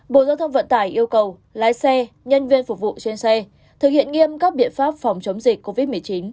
bộ giao thông vận tải yêu cầu lái xe nhân viên phục vụ trên xe thực hiện nghiêm các biện pháp phòng chống dịch covid một mươi chín